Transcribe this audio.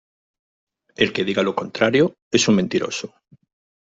el que diga lo contrario es un mentiroso.